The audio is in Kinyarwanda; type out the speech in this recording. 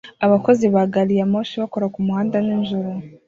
abakozi ba gari ya moshi bakora kumuhanda nijoro